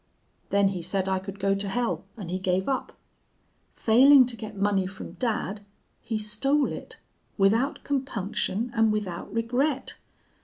Then he said I could go to hell and he gave up. Failing to get money from dad he stole it, without compunction and without regret!